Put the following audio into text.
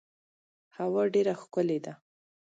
هوا ډیره ښکلې ده .